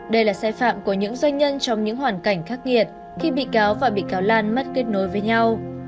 đây là sai phạm của những doanh nhân trong những hoàn cảnh khắc nghiệt khi bị cáo và bị cáo lan mất kết nối với nhau